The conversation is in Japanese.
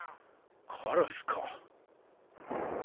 カラスか？